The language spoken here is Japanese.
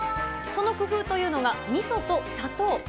その工夫というのが、みそと砂糖。